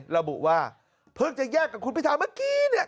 ระบุว่าเพิ่งจะแยกกับคุณพิธาเมื่อกี้เนี่ย